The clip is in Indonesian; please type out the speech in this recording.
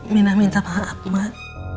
minah minta maaf mak